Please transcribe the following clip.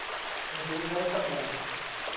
หรือใช้สบู่